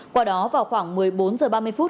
qua đó vào khoảng một mươi bốn h ba mươi phút